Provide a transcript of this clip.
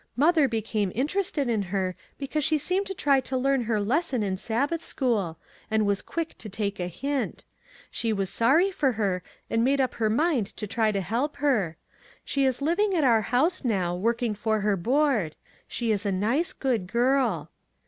Mother became interested in her because she seemed to try to learn her lesson in Sabbath school, and was quick to take a hint. She was sorry for her, and made up her mind to try to help her. She is living at our house now, working for her board. She is a nice, good girl."